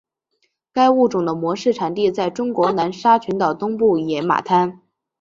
该物种的模式产地在中国南沙群岛东部野马滩。